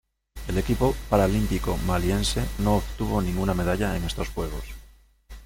El equipo paralímpico maliense no obtuvo ninguna medalla en estos Juegos.